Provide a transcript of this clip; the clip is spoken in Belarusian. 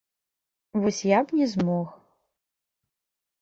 Вось я б не змог.